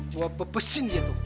gue bebesin dia tuh